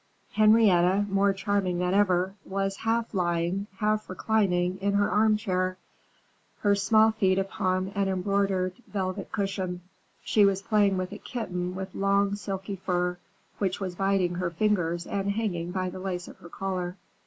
Henrietta, more charming than ever, was half lying, half reclining in her armchair, her small feet upon an embroidered velvet cushion; she was playing with a kitten with long silky fur, which was biting her fingers and hanging by the lace of her collar.